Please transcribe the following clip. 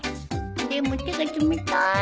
でも手が冷たい